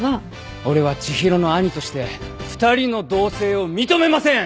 俺は知博の兄として２人の同棲を認めません！